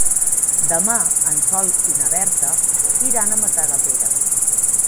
Demà en Sol i na Berta iran a Matadepera.